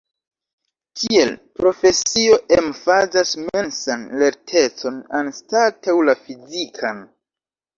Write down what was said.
Tiel, profesio emfazas mensan lertecon anstataŭ la fizikan.